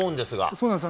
そうなんです。